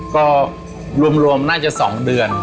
ก็รวมน่าจะ๒เดือน